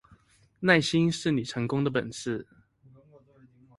耐心是你成功的本事